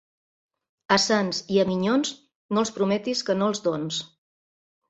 A sants i a minyons no els prometis que no els dons.